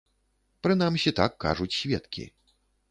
Прынамсі, так кажуць сведкі.